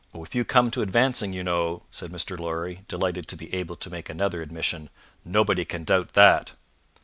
"If you come to advancing you know," said Mr. Lorry, delighted to be able to make another admission, "nobody can doubt that."